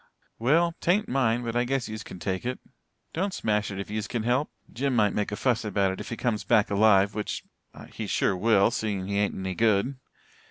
"Well, 'tain't mine but I guess yez kin take it. Don't smash it if yez can help Jim might make a fuss about it if he comes back alive which he sure will, seein' he ain't any good.